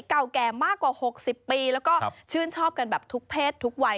เก่าแก่มากกว่า๖๐ปีแล้วก็ชื่นชอบกันแบบทุกเพศทุกวัย